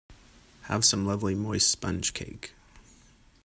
Have some lovely moist sponge cake.